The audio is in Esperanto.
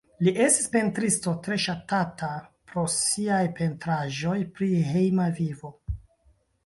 Li estis pentristo tre ŝatata pro siaj pentraĵoj pri hejma vivo.